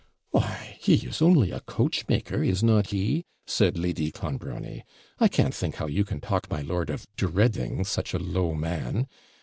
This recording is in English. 'Why, he is only a coachmaker, is not he!' said Lady Clonbrony: 'I can't think how you can talk, my lord, of dreading such a low man.